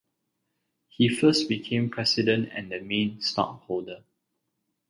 He first became president and then main stockholder.